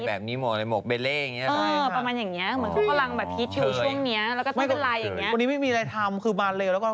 ความเบทเดี่ยคืออะไรครับ